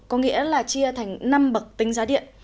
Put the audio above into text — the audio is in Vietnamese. có nghĩa là chia thành năm bậc tính giá điện